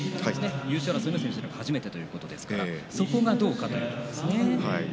優勝争いが、そもそも初めてというわけですからそこがどうかというところですね。